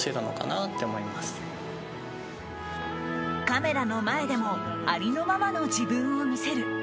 カメラの前でもありのままの自分を見せる。